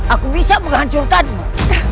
aku bisa menghancurkanmu